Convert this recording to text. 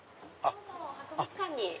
どうぞ博物館に。